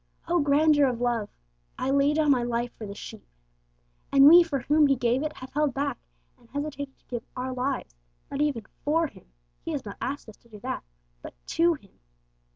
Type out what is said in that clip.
Oh, grandeur of love! 'I lay down My life for the sheep!' And we for whom He gave it have held back, and hesitated to give our lives, not even for Him (He has not asked us to do that), but to Him!